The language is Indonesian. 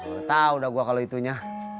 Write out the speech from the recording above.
gak tau dah gua kalo itunya